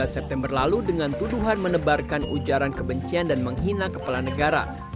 dua puluh september lalu dengan tuduhan menebarkan ujaran kebencian dan menghina kepala negara